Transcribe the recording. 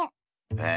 え！